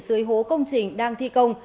dưới hố công trình đang thi công